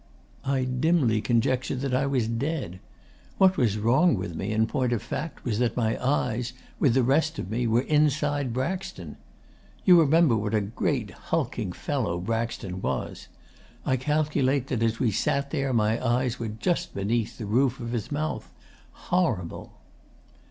I dimly conjectured that I was dead. What was wrong with me, in point of fact, was that my eyes, with the rest of me, were inside Braxton. You remember what a great hulking fellow Braxton was. I calculate that as we sat there my eyes were just beneath the roof of his mouth. Horrible!